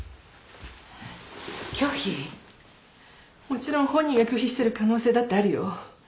もちろん本人が拒否してる可能性だってあるよ。